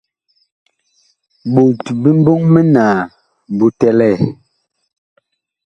Ɓot bi mbɔŋ minaa bu bi tɛlɛɛ.